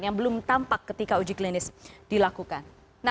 yang belum tampak ketika uji klinis dilakukan